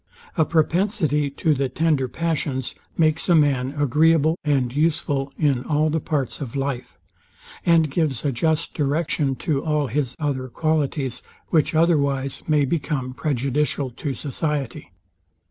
A propensity to the tender passions makes a man agreeable and useful in all the parts of life; and gives a just direction to all his other quailties, which otherwise may become prejudicial to society.